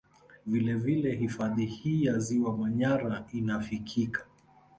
Vile vile hifadhi hii ya ziwa Manyara inafikika